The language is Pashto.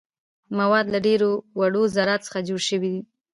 مواد له ډیرو وړو ذراتو څخه جوړ شوي دي.